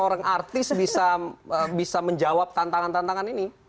orang artis bisa menjawab tantangan tantangan ini